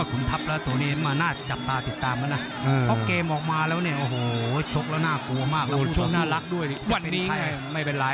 วันนี้ไม่เป็นไร